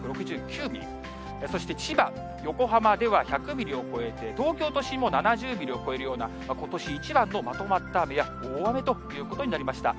そして千葉、横浜では１００ミリを超えて、東京都心も７０ミリを超えるような、ことし一番のまとまった雨や大雨ということになりました。